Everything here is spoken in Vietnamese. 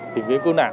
tìm kiếm cứu nạn